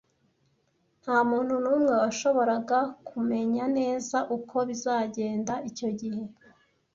Ntamuntu numwe washoboraga kumenya neza uko bizagenda icyo gihe.